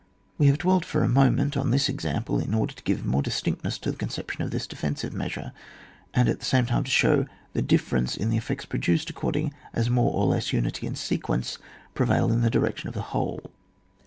We have dwelt for a moment on this example, in order to give more distinct ness to the conception of this defensive measure, and at the same time to show the difference in the effects produced, according as more or less unity and sequence prevail in the direction of the whole.